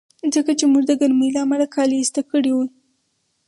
ځکه چې موږ به د ګرمۍ له امله کالي ایسته کړي وي.